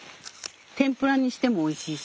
天ぷらにしてもおいしいし。